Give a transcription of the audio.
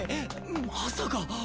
まさか。